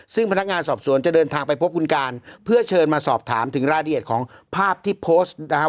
ซึ่งพนักงานสอบสวนจะเดินทางไปพบคุณการเพื่อเชิญมาสอบถามถึงรายละเอียดของภาพที่โพสต์นะครับ